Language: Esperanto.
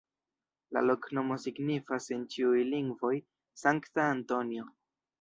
La loknomo signifas en ĉiuj lingvoj: Sankta Antonio.